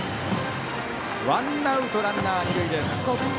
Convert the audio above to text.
ワンアウトランナー、二塁です。